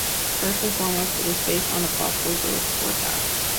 First and foremost, it is based on a plausible growth forecast.